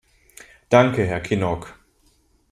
Danke, Herr Kinnock.